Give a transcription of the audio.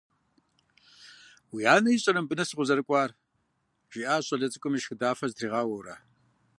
«Уи анэ ищӏэрэ мыбы нэс укъызэрыкӏуар?» жиӏащ щӏалэ цыкӏум ешхыдэфэ зытригъауэурэ.